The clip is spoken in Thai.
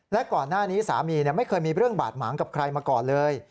และก่อนหน้านี้สามีไม่เคยมีเรื่องบาดหมางกับใครมาก่อนเลย